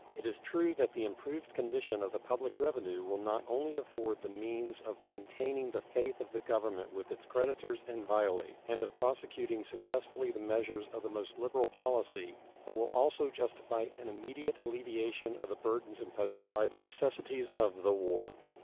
It is true that the improved condition of the public revenue will not only afford the means of maintaining the faith of the Government with its creditors inviolate, and of prosecuting successfully the measures of the most liberal policy, but will also justify an immediate alleviation of the burdens imposed by the necessities of the war.